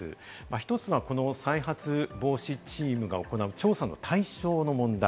１つは、この再発防止チームが行う調査の対象の問題。